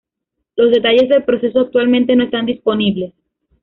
Los detalles del proceso actualmente no están disponibles.